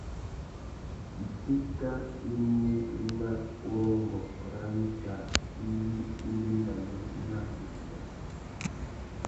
Itéka i mú nà urrôngô râ wikā iwí i ndédamú nà idiya.